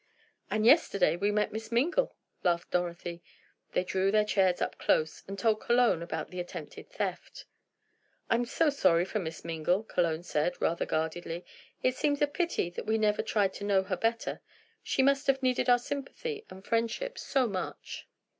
"And yesterday we met Miss Mingle," laughed Dorothy. They drew their chairs up close, and told Cologne about the attempted theft. "I'm so sorry for Miss Mingle," Cologne said, rather guardedly, "it seems a pity that we never tried to know her better. She must have needed our sympathy and friendship so much."